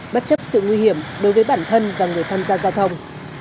bất chấp sự nguy hiểm đối với bản thân và người tham gia giao thông